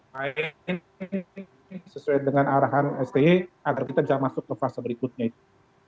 main sesuai dengan arahan sti agar kita bisa masuk ke fase berikutnya itu